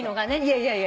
いやいや。